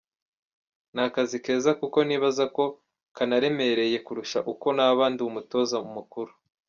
Ni akazi keza kuko nibaza ko kanaremereye kurusha uko naba ndi umutoza mukuru.